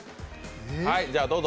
じゃあどうぞ。